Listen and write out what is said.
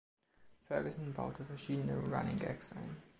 Ferguson baute verschiedene Running Gags ein.